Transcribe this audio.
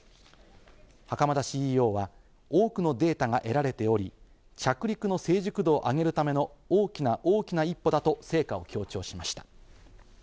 袴田ＣＥＯは多くのデータが得られており、着陸の成熟度を上げるための大きな大きな一歩だと成果を強調しました。